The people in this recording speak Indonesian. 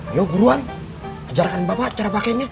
ayo guruan ajarkan bapak cara pakainya